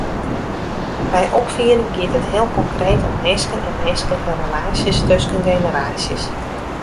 By opfieding giet it heel konkreet om minsken en minsklike relaasjes tusken generaasjes.